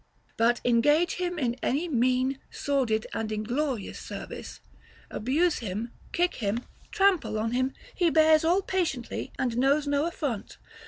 But engage him in any mean, sordid, and inglorious service, abuse him, kick him, trample on him, he bears all patiently and knows no affront.